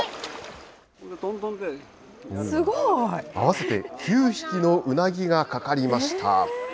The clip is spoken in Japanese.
合わせて９匹のうなぎがかかりました。